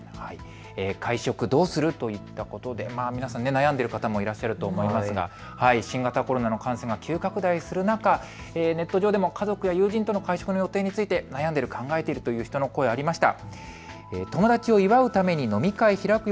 会食どうする？といったことで皆さん悩んでる方もいらっしゃると思いますが新型コロナの感染が急拡大する中、ネット上でも家族や友人との会食の予定について悩んでいるという人の声がありました。